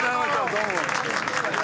どうも！